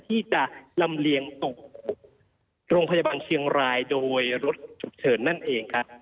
ที่จะลำเลียงส่งโรงพยาบาลเชียงรายโดยรถฉุกเฉินนั่นเองครับ